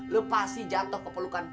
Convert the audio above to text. lu pasti jatuh ke pelukan